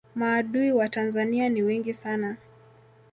maadui wa tanzania ni wengi sana